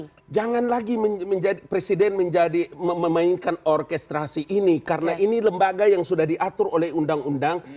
tidak ada masalah presiden lagi memainkan orkestrasi ini karena ini lembaga yang sudah diatur oleh undang undang